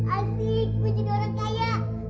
asik menjadi orang kaya